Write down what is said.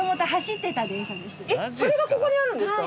えっそれがここにあるんですか。